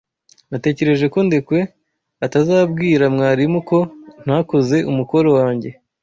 Natekereje ko Ndekwe atazabwira mwarimu ko ntakoze umukoro wanjye.